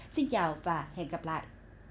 xin chào và hẹn gặp lại